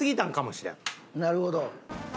なるほど。